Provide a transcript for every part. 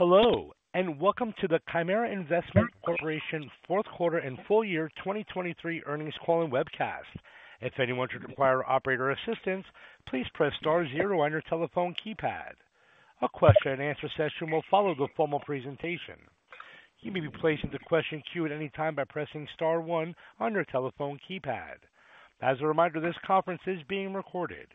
Hello, and welcome to the Chimera Investment Corporation fourth quarter and full year 2023 earnings call and webcast. If anyone should require operator assistance, please press star zero on your telephone keypad. A question and answer session will follow the formal presentation. You may be placed into question queue at any time by pressing star one on your telephone keypad. As a reminder, this conference is being recorded.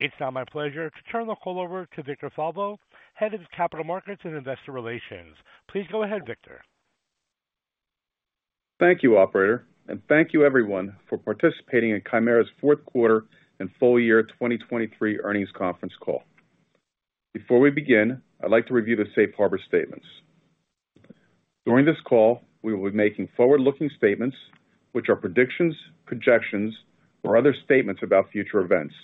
It's now my pleasure to turn the call over to Victor Falvo, Head of Capital Markets and Investor Relations. Please go ahead, Victor. Thank you, operator, and thank you everyone for participating in Chimera's fourth quarter and full year 2023 earnings conference call. Before we begin, I'd like to review the Safe Harbor statements. During this call, we will be making forward-looking statements, which are predictions, projections, or other statements about future events.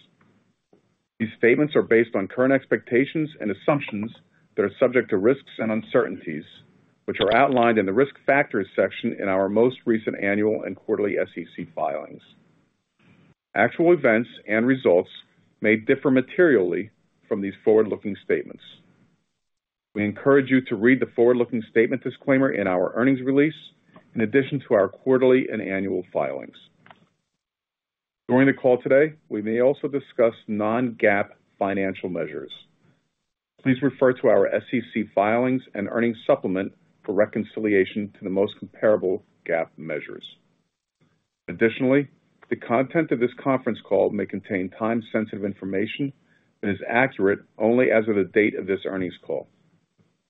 These statements are based on current expectations and assumptions that are subject to risks and uncertainties, which are outlined in the Risk Factors section in our most recent annual and quarterly SEC filings. Actual events and results may differ materially from these forward-looking statements. We encourage you to read the forward-looking statement disclaimer in our earnings release in addition to our quarterly and annual filings. During the call today, we may also discuss non-GAAP financial measures. Please refer to our SEC filings and earnings supplement for reconciliation to the most comparable GAAP measures. Additionally, the content of this conference call may contain time-sensitive information that is accurate only as of the date of this earnings call.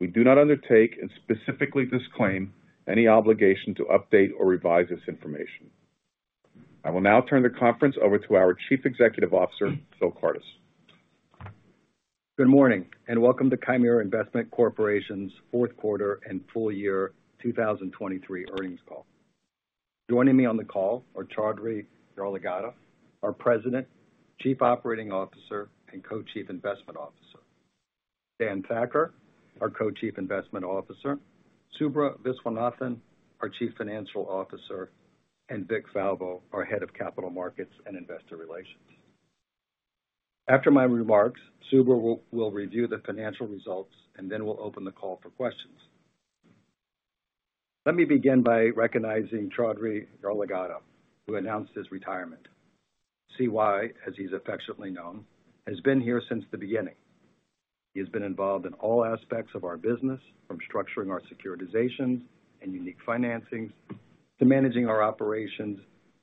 We do not undertake and specifically disclaim any obligation to update or revise this information. I will now turn the conference over to our Chief Executive Officer, Phil Kardis. Good morning, and welcome to Chimera Investment Corporation's fourth quarter and full year 2023 earnings call. Joining me on the call are Choudhary Yarlagadda, our President, Chief Operating Officer, and Co-Chief Investment Officer. Dan Thakkar, our Co-Chief Investment Officer, Subra Viswanathan, our Chief Financial Officer, and Victor Falvo, our Head of Capital Markets and Investor Relations. After my remarks, Subra will review the financial results, and then we'll open the call for questions. Let me begin by recognizing Choudhary Yarlagadda, who announced his retirement. CY, as he's affectionately known, has been here since the beginning. He has been involved in all aspects of our business, from structuring our securitizations and unique financings to managing our operations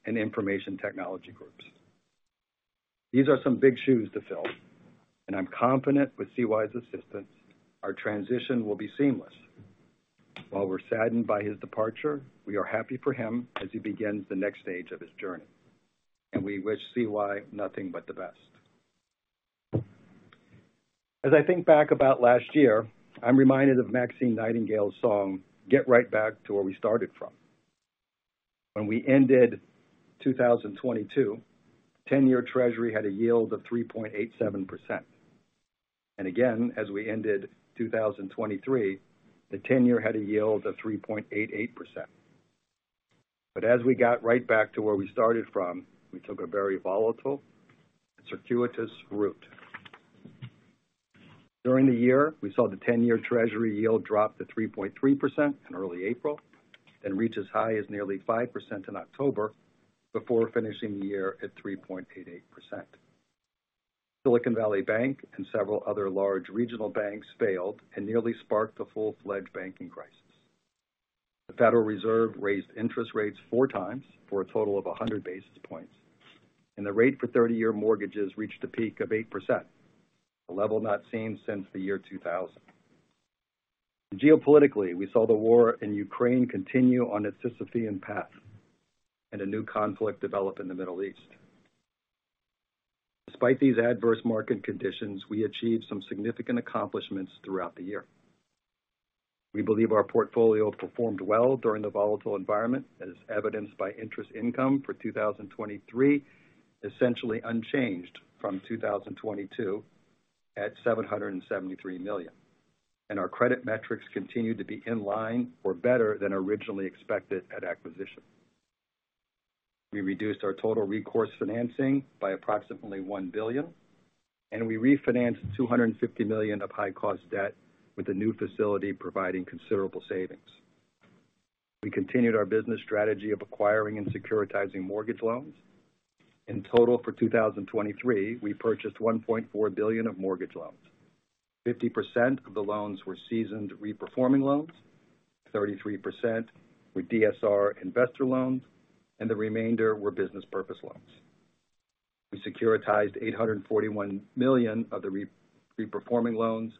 and information technology groups. These are some big shoes to fill, and I'm confident with CY's assistance, our transition will be seamless. While we're saddened by his departure, we are happy for him as he begins the next stage of his journey, and we wish CY nothing but the best. As I think back about last year, I'm reminded of Maxine Nightingale's song,"Get Right Back to Where We Started From". When we ended 2022, 10-year Treasury had a yield of 3.87%. Again, as we ended 2023, the ten-year had a yield of 3.88%. But as we got right back to where we started from, we took a very volatile, circuitous route. During the year, we saw the ten-year Treasury yield drop to 3.3% in early April, then reach as high as nearly 5% in October, before finishing the year at 3.88%. Silicon Valley Bank and several other large regional banks failed and nearly sparked a full-fledged banking crisis. The Federal Reserve raised interest rates four times for a total of 100 basis points, and the rate for 30-year mortgages reached a peak of 8%, a level not seen since the year 2000. Geopolitically, we saw the war in Ukraine continue on its Sisyphean path and a new conflict develop in the Middle East. Despite these adverse market conditions, we achieved some significant accomplishments throughout the year. We believe our portfolio performed well during the volatile environment, as evidenced by interest income for 2023, essentially unchanged from 2022, at $773 million. Our credit metrics continued to be in line or better than originally expected at acquisition. We reduced our total recourse financing by approximately $1 billion, and we refinanced $250 million of high-cost debt with a new facility providing considerable savings. We continued our business strategy of acquiring and securitizing mortgage loans. In total, for 2023, we purchased $1.4 billion of mortgage loans. 50% of the loans were seasoned reperforming loans, 33% were DSCR investor loans, and the remainder were business purpose loans. We securitized $841 million of the reperforming loans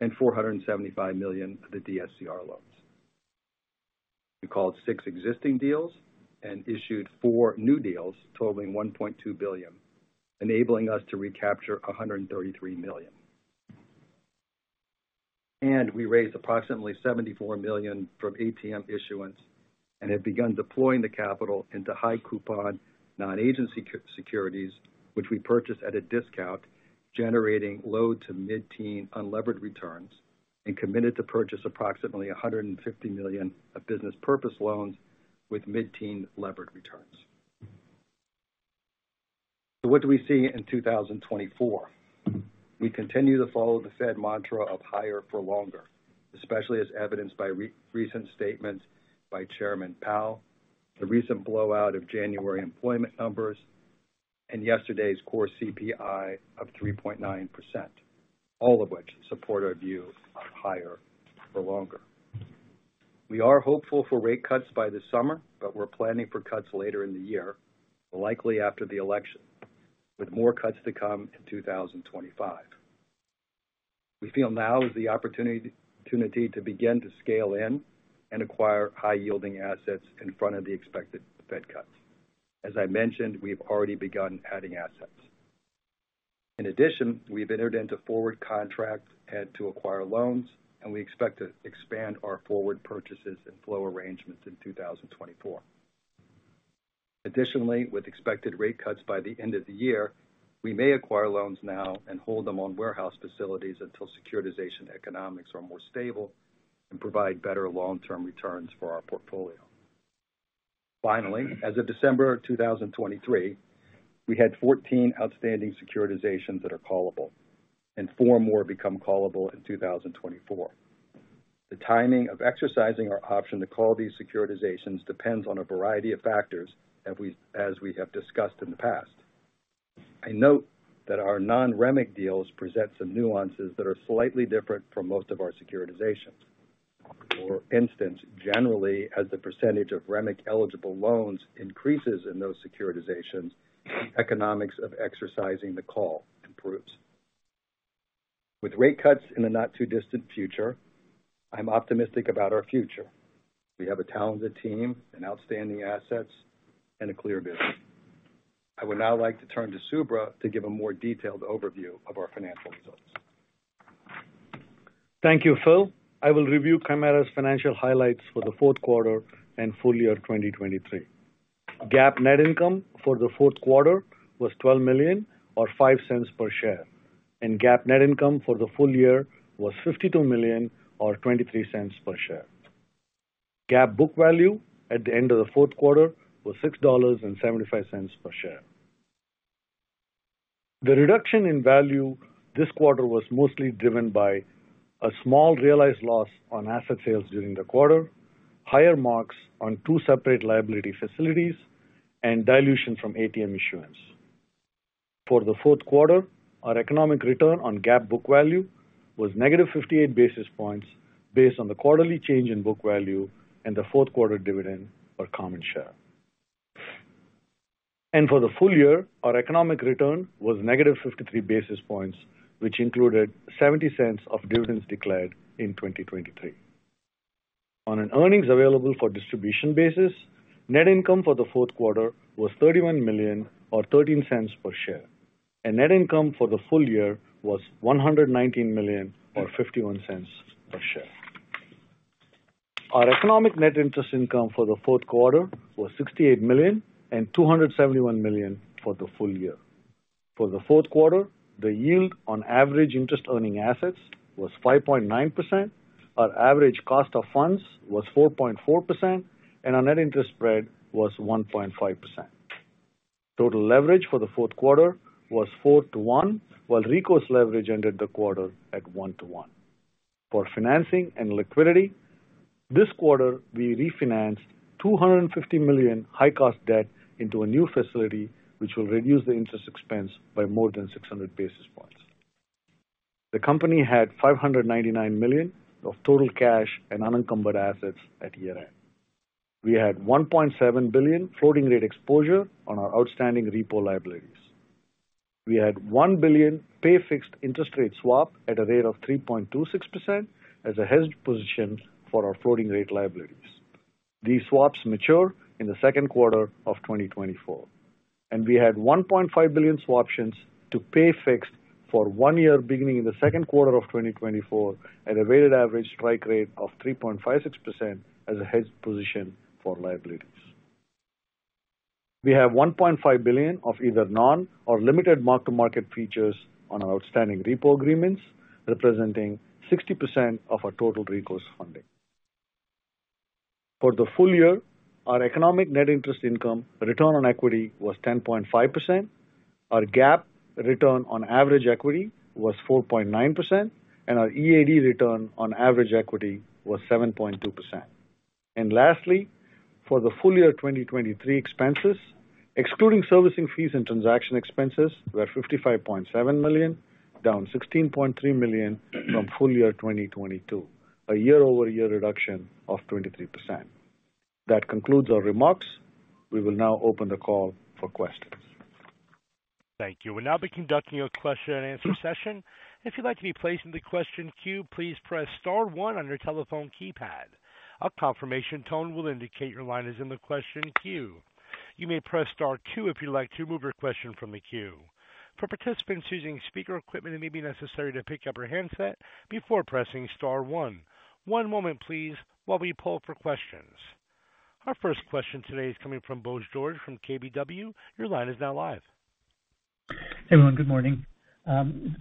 and $475 million of the DSCR loans. We called six existing deals and issued four new deals totaling $1.2 billion, enabling us to recapture $133 million. And we raised approximately $74 million from ATM issuance and have begun deploying the capital into high coupon, non-agency securities, which we purchased at a discount, generating low- to mid-teen unlevered returns, and committed to purchase approximately $150 million of business purpose loans with mid-teen levered returns. So what do we see in 2024? We continue to follow the Fed mantra of higher for longer, especially as evidenced by recent statements by Chairman Powell, the recent blowout of January employment numbers, and yesterday's core CPI of 3.9%, all of which support our view of higher for longer. We are hopeful for rate cuts by the summer, but we're planning for cuts later in the year, likely after the election, with more cuts to come in 2025. We feel now is the opportunity to begin to scale in and acquire high-yielding assets in front of the expected Fed cuts. As I mentioned, we have already begun adding assets. In addition, we've entered into forward contracts and to acquire loans, and we expect to expand our forward purchases and flow arrangements in 2024. Additionally, with expected rate cuts by the end of the year, we may acquire loans now and hold them on warehouse facilities until securitization economics are more stable and provide better long-term returns for our portfolio. Finally, as of December 2023, we had 14 outstanding securitizations that are callable, and four more become callable in 2024. The timing of exercising our option to call these securitizations depends on a variety of factors, as we have discussed in the past. I note that our non-REMIC deals present some nuances that are slightly different from most of our securitizations. For instance, generally, as the percentage of REMIC-eligible loans increases in those securitizations, economics of exercising the call improves. With rate cuts in the not-too-distant future, I'm optimistic about our future. We have a talented team and outstanding assets and a clear vision. I would now like to turn to Subra to give a more detailed overview of our financial results. Thank you, Phil. I will review Chimera's financial highlights for the fourth quarter and full year of 2023. GAAP net income for the fourth quarter was $12 million or $0.05 per share, and GAAP net income for the full year was $52 million or $0.23 per share. GAAP book value at the end of the fourth quarter was $6.75 per share. The reduction in value this quarter was mostly driven by a small realized loss on asset sales during the quarter, higher marks on two separate liability facilities, and dilution from ATM issuance. For the fourth quarter, our economic return on GAAP book value was negative 58 basis points, based on the quarterly change in book value and the fourth quarter dividend per common share. For the full year, our economic return was negative 53 basis points, which included $0.70 of dividends declared in 2023. On an earnings available for distribution basis, net income for the fourth quarter was $31 million or $0.13 per share, and net income for the full year was $119 million or $0.51 per share. Our economic net interest income for the fourth quarter was $68 million and $271 million for the full year. For the fourth quarter, the yield on average interest-earning assets was 5.9%. Our average cost of funds was 4.4%, and our net interest spread was 1.5%. Total leverage for the fourth quarter was 4:1, while recourse leverage ended the quarter at 1:1. For financing and liquidity, this quarter, we refinanced $250 million high-cost debt into a new facility, which will reduce the interest expense by more than 600 basis points. The company had $599 million of total cash and unencumbered assets at year-end. We had $1.7 billion floating rate exposure on our outstanding repo liabilities. We had $1 billion pay-fixed interest rate swap at a rate of 3.26% as a hedge position for our floating rate liabilities. These swaps mature in the second quarter of 2024, and we had $1.5 billion swap options to pay fixed for one year, beginning in the second quarter of 2024, at a weighted average strike rate of 3.56% as a hedge position for liabilities. We have $1.5 billion of either non- or limited mark-to-market features on our outstanding repo agreements, representing 60% of our total recourse funding. For the full year, our economic net interest income return on equity was 10.5%, our GAAP return on average equity was 4.9%, and our EAD return on average equity was 7.2%. Lastly, for the full year 2023 expenses, excluding servicing fees and transaction expenses, were $55.7 million, down $16.3 million from full year 2022, a year-over-year reduction of 23%. That concludes our remarks. We will now open the call for questions. Thank you. We'll now be conducting a question and answer session. If you'd like to be placed in the question queue, please press star one on your telephone keypad. A confirmation tone will indicate your line is in the question queue. You may press star two if you'd like to remove your question from the queue. For participants using speaker equipment, it may be necessary to pick up your handset before pressing star one. One moment, please, while we pull for questions. Our first question today is coming from Bose George from KBW. Your line is now live.... Hey, everyone, good morning.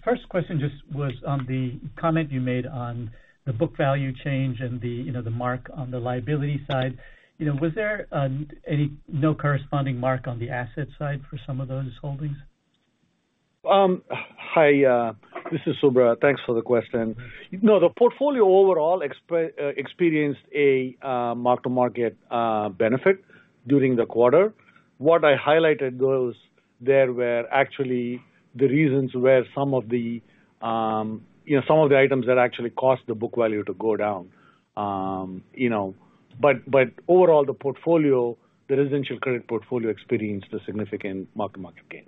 First question just was on the comment you made on the book value change and the, you know, the mark on the liability side. You know, was there no corresponding mark on the asset side for some of those holdings? Hi, this is Subra. Thanks for the question. No, the portfolio overall experienced a mark-to-market benefit during the quarter. What I highlighted those, there were actually the reasons where some of the, you know, some of the items that actually cost the book value to go down. You know, but, but overall, the portfolio, the residential credit portfolio experienced a significant mark-to-market gain.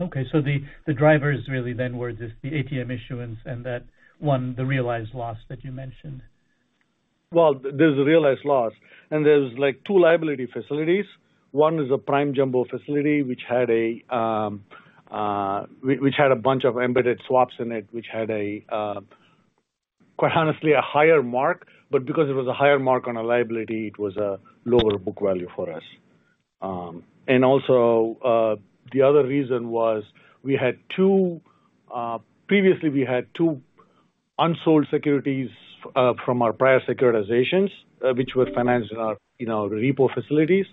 Okay, so the drivers really then were just the ATM issuance and that one, the realized loss that you mentioned. Well, there's a realized loss, and there's, like, two liability facilities. One is a prime jumbo facility, which had a bunch of embedded swaps in it, which had, quite honestly, a higher mark, but because it was a higher mark on a liability, it was a lower book value for us. And also, the other reason was we had two, previously, we had two unsold securities from our prior securitizations, which were financed in our, you know, repo facilities.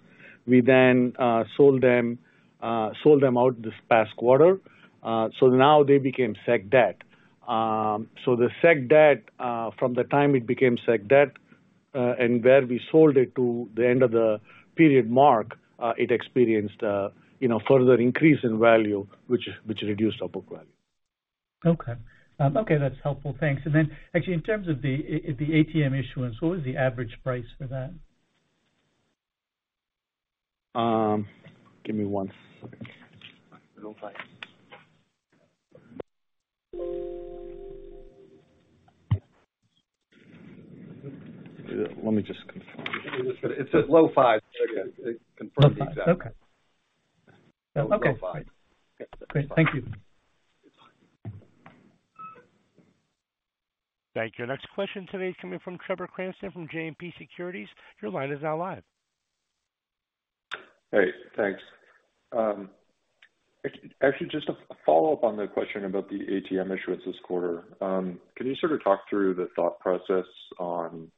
We then sold them out this past quarter. So now they became securitized debt. So the SEC debt, from the time it became SEC debt, and where we sold it to the end of the period mark, it experienced a, you know, further increase in value, which, which reduced our book value. Okay. Okay, that's helpful. Thanks. And then, actually, in terms of the ATM issuance, what was the average price for that? Give me one. Okay. Low five. Let me just confirm. It says low five. Confirm the exact. Okay. Low five. Great. Thank you. Thank you. Next question today is coming from Trevor Cranston, from JMP Securities. Your line is now live. Hey, thanks. Actually, just a follow-up on the question about the ATM issuance this quarter. Can you sort of talk through the thought process on,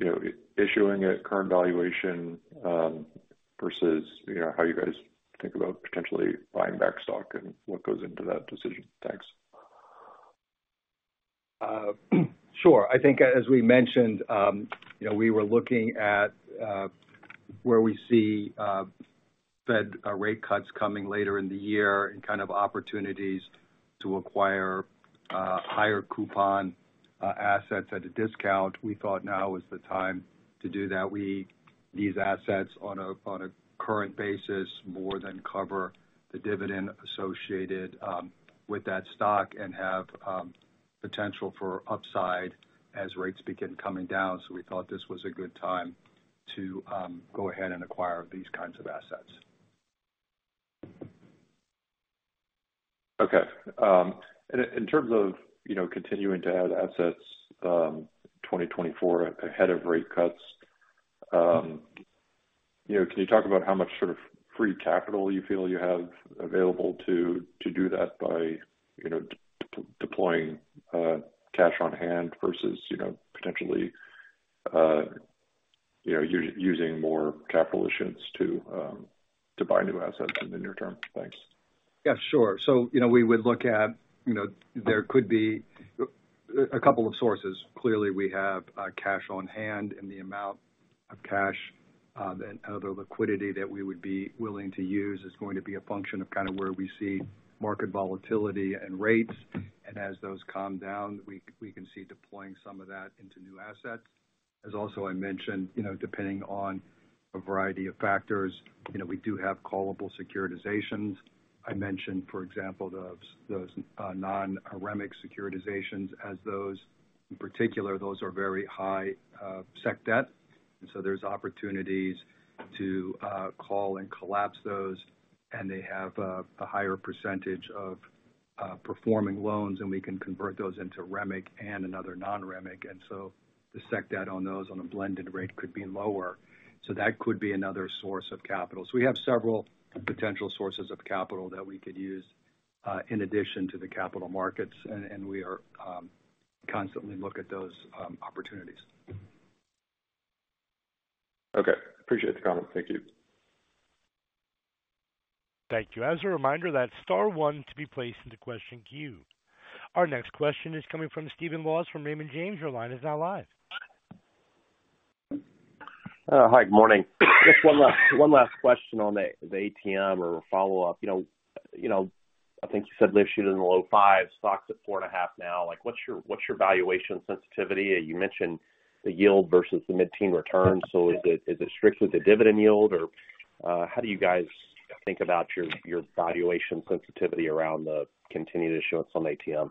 you know, issuing at current valuation, versus, you know, how you guys think about potentially buying back stock and what goes into that decision? Thanks. Sure. I think as we mentioned, you know, we were looking at where we see Fed rate cuts coming later in the year and kind of opportunities to acquire higher coupon assets at a discount. We thought now is the time to do that. These assets on a current basis more than cover the dividend associated with that stock and have potential for upside as rates begin coming down. So we thought this was a good time to go ahead and acquire these kinds of assets. Okay. In terms of, you know, continuing to add assets, 2024 ahead of rate cuts, you know, can you talk about how much sort of free capital you feel you have available to do that by, you know, deploying cash on hand versus, you know, potentially using more capital issuance to buy new assets in the near term? Thanks. Yeah, sure. So, you know, we would look at, you know, there could be a couple of sources. Clearly, we have cash on hand, and the amount of cash and other liquidity that we would be willing to use is going to be a function of kind of where we see market volatility and rates. And as those calm down, we can see deploying some of that into new assets. As also I mentioned, you know, depending on a variety of factors, you know, we do have callable securitizations. I mentioned, for example, the those non-REMIC securitizations as those in particular, those are very high SEC debt, and so there's opportunities to call and collapse those, and they have a higher percentage of performing loans, and we can convert those into REMIC and another non-REMIC. And so the SEC debt on those on a blended rate could be lower. So that could be another source of capital. So we have several potential sources of capital that we could use, in addition to the capital markets, and, and we are, constantly look at those, opportunities. Okay. Appreciate the comment. Thank you. Thank you. As a reminder, that's star one to be placed in the question queue. Our next question is coming from Stephen Laws from Raymond James. Your line is now live. Hi, good morning. Just one last, one last question on the, the ATM or a follow-up. You know, you know, I think you said yield shooting in the low fives, stock's at $4.5 now. Like, what's your, what's your valuation sensitivity? You mentioned the yield versus the mid-teen return. So is it, is it strictly the dividend yield, or how do you guys think about your, your valuation sensitivity around the continued issuance on the ATM?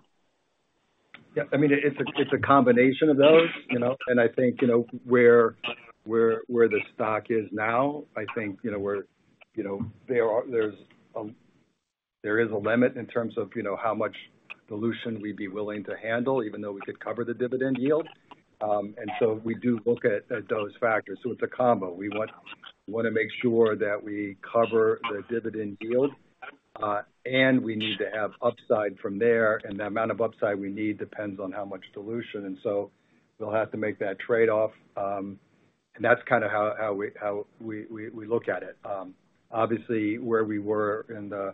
Yeah, I mean, it's a combination of those, you know, and I think, you know, where the stock is now, I think, you know, we're, you know, there are-- there's a limit in terms of, you know, how much dilution we'd be willing to handle, even though we could cover the dividend yield. And so we do look at those factors. So it's a combo. We want to make sure that we cover the dividend yield, and we need to have upside from there, and the amount of upside we need depends on how much dilution, and so we'll have to make that trade-off. And that's kind of how we look at it. Obviously, where we were in the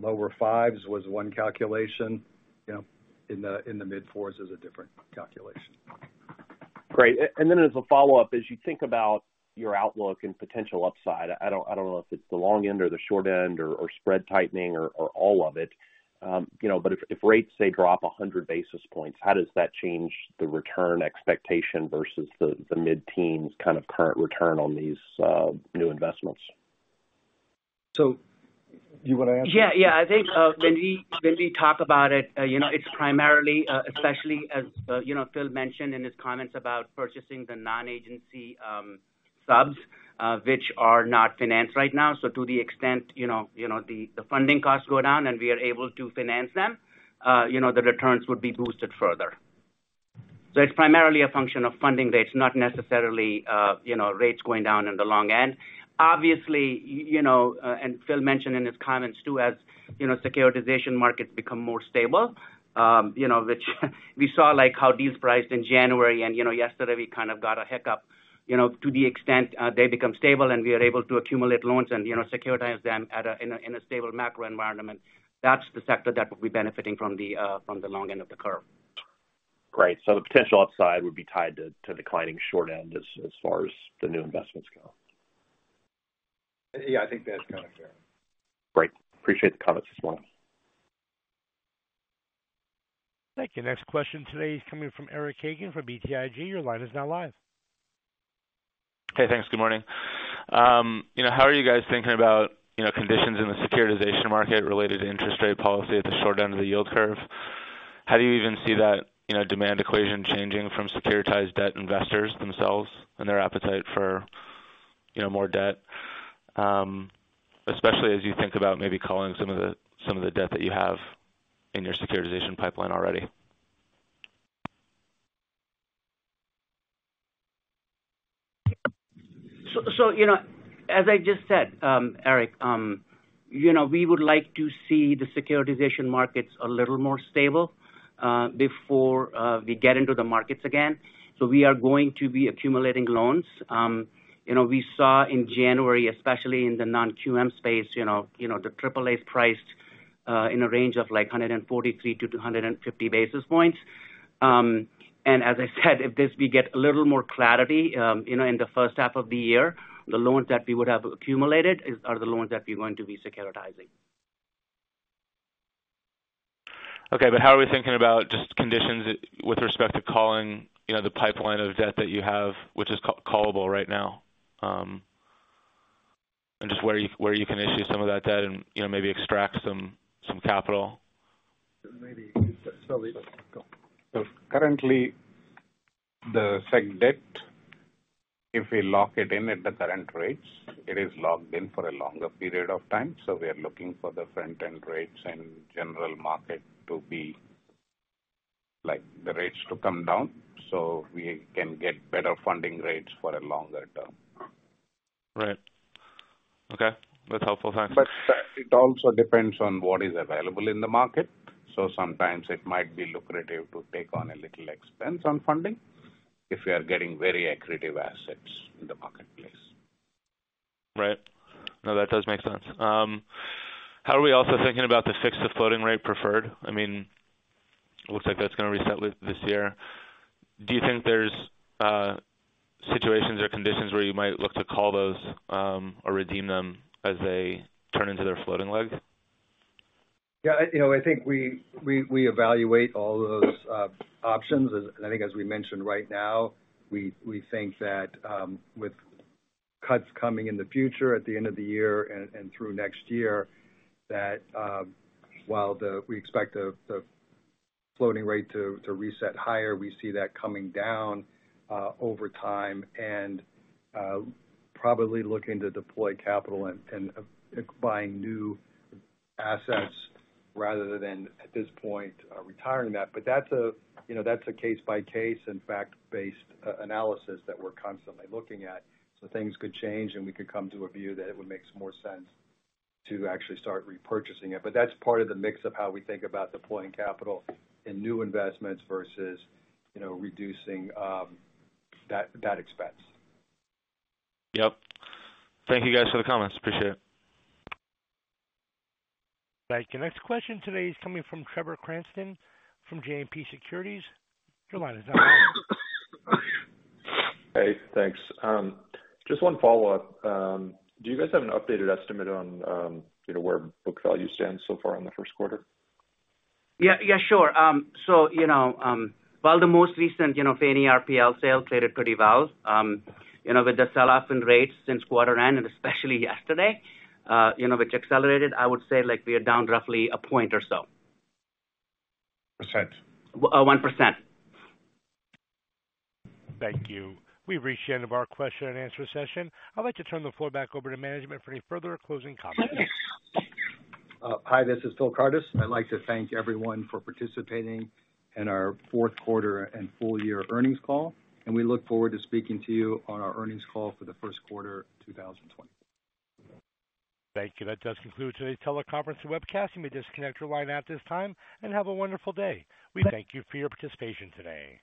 lower fives was one calculation. You know, in the mid-fours is a different calculation. Great. And then as a follow-up, as you think about your outlook and potential upside, I don't, I don't know if it's the long end or the short end or, or spread tightening or, or all of it. You know, but if, if rates, say, drop 100 basis points, how does that change the return expectation versus the, the mid-teens kind of current return on these new investments? So you want to answer? Yeah, yeah. I think when we talk about it, you know, it's primarily, especially as you know, Phil mentioned in his comments about purchasing the non-agency subs, which are not financed right now. So to the extent you know the funding costs go down, and we are able to finance them, you know, the returns would be boosted further. So it's primarily a function of funding rates, not necessarily you know rates going down in the long end. Obviously you know and Phil mentioned in his comments, too, as you know securitization markets become more stable, you know, which we saw, like, how these priced in January, and you know yesterday, we kind of got a hiccup. You know, to the extent they become stable, and we are able to accumulate loans and, you know, securitize them in a stable macro environment, that's the sector that would be benefiting from the long end of the curve. Great. So the potential upside would be tied to declining short end as far as the new investments go? Yeah, I think that's kind of fair. Great. Appreciate the comments this morning. Thank you. Next question today is coming from Eric Hagen from BTIG. Your line is now live. Hey, thanks. Good morning. You know, how are you guys thinking about, you know, conditions in the securitization market related to interest rate policy at the short end of the yield curve? How do you even see that, you know, demand equation changing from securitized debt investors themselves and their appetite for, you know, more debt, especially as you think about maybe calling some of the, some of the debt that you have in your securitization pipeline already? So, you know, as I just said, Eric, you know, we would like to see the securitization markets a little more stable before we get into the markets again. So we are going to be accumulating loans. You know, we saw in January, especially in the non-QM space, you know, you know, the AAA priced in a range of, like, 143-250 basis points. And as I said, if this we get a little more clarity, you know, in the first half of the year, the loans that we would have accumulated is, are the loans that we're going to be securitizing. Okay, but how are we thinking about just conditions with respect to calling, you know, the pipeline of debt that you have, which is callable right now, and just where you can issue some of that debt and, you know, maybe extract some capital? Maybe, Choudhary? Go. Currently, the SEC debt, if we lock it in at the current rates, it is locked in for a longer period of time. We are looking for the front-end rates and general market to be like the rates to come down, so we can get better funding rates for a longer term. Right. Okay, that's helpful. Thanks. It also depends on what is available in the market. Sometimes it might be lucrative to take on a little expense on funding if we are getting very accretive assets in the marketplace. Right. No, that does make sense. How are we also thinking about the fixed-to-floating rate preferred? I mean, looks like that's going to reset this year. Do you think there's situations or conditions where you might look to call those, or redeem them as they turn into their floating legs? Yeah, you know, I think we evaluate all those options. As I think as we mentioned right now, we think that with cuts coming in the future, at the end of the year and through next year, that while the we expect the floating rate to reset higher, we see that coming down over time and probably looking to deploy capital and buying new assets rather than at this point retiring that. But that's a you know that's a case by case and fact-based analysis that we're constantly looking at. So things could change, and we could come to a view that it would make some more sense to actually start repurchasing it. But that's part of the mix of how we think about deploying capital in new investments versus, you know, reducing that expense. Yep. Thank you guys for the comments. Appreciate it. Thank you. Next question today is coming from Trevor Cranston from JMP Securities. Your line is now open. Hey, thanks. Just one follow-up. Do you guys have an updated estimate on, you know, where book value stands so far in the first quarter? Yeah, yeah, sure. So, you know, while the most recent, you know, Fannie RPL sale traded pretty well, you know, with the sell-off in rates since quarter end, and especially yesterday, you know, which accelerated, I would say, like, we are down roughly a point or so. Percent. 1%. Thank you. We've reached the end of our question and answer session. I'd like to turn the floor back over to management for any further closing comments. Hi, this is Phil Kardis. I'd like to thank everyone for participating in our fourth quarter and full year earnings call, and we look forward to speaking to you on our earnings call for the first quarter of 2020. Thank you. That does conclude today's teleconference and webcast. You may disconnect your line at this time and have a wonderful day. We thank you for your participation today.